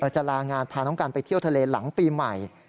จะลางานพาน้องกันไปเที่ยวทะเลหลังปีใหม่